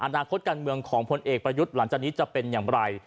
อนาคตการเมืองของพลเอกประยุทธ์หลังจากนี้จะเป็นอย่างไร